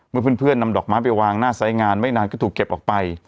เมื่อเพื่อนนำดอกไม้ไปวางหน้าไซส์งานไม่นานก็ถูกเก็บออกไป